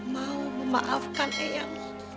mau memaafkan eyang